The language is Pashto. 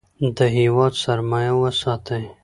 د هیواد سرمایه وساتئ.